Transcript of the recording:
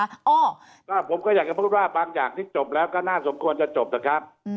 ก็ผมก็อยากจะพูดว่าบางอย่างที่จบแล้วก็น่าสมควรจะจบนะครับ